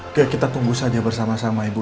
oke kita tunggu saja bersama sama ibu